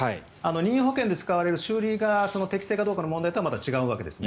任意保険で使われる修理が適正かどうかの問題とはまた違うわけです。